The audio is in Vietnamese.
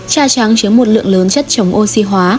trà trắng chứa một lượng lớn chất chống oxy hóa